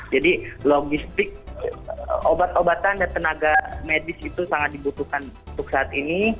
jadi logistik obat obatan dan tenaga medis itu sangat dibutuhkan untuk saat ini